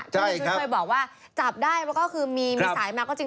ใช่ครับเคยบอกว่าจับได้มีสายมากก็จริง